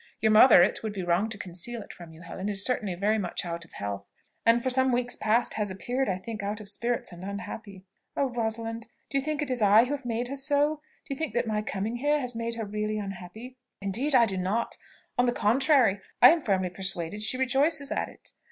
Your mother, it would be wrong to conceal it from you, Helen, is certainly very much out of health, and for some weeks past has appeared, I think, out of spirits and unhappy." "Oh, Rosalind! Do you think it is I who have made her so? Do you think that my coming here has made her really unhappy?" "Indeed I do not: on the contrary, I am firmly persuaded she rejoices at it.